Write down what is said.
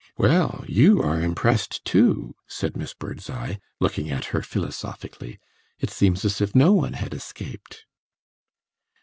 "Well, you are impressed too," said Miss Birdseye, looking at her philosophically. "It seems as if no one had escaped."